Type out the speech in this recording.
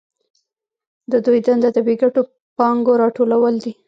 د دوی دنده د بې ګټو پانګو راټولول دي